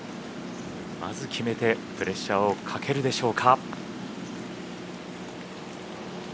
まず決めてプレッシャーをかけるでしょうか。